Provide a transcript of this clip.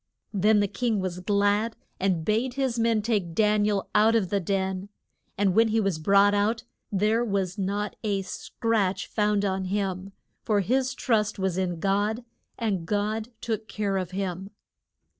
Then the king was glad, and bade his men take Dan i el out of the den. And when he was brought out, there was not a scratch found on him, for his trust was in God, and God took care of him.